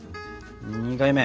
２回目。